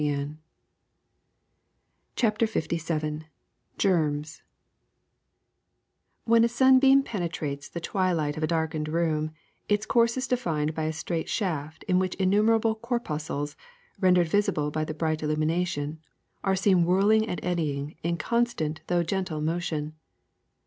i i w CHAPTEE LVII GERMS HEN a sunbeam penetrates the twilight of a darkened room its course is defined by a straight shaft in which innumerable corpuscles, ren dered visible by the bright illumination, are seen whirling and eddying in constant though gentle mo tion.